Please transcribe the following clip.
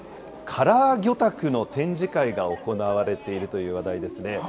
カラー魚拓の展示会が行われているという話題ですね。